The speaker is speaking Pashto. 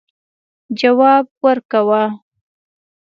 جواب ورکاوه.